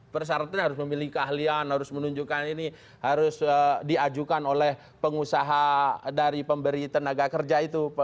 persyaratan harus memilih keahlian harus menunjukkan ini harus diajukan oleh pengusaha dari pemberi tenaga kerja itu